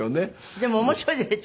でも面白いですね。